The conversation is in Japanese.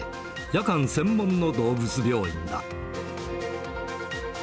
夜間専門の動物病院だ。